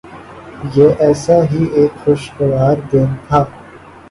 یہ ایسا ہی ایک خوشگوار دن تھا۔